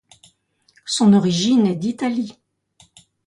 Son origine est d'Italie.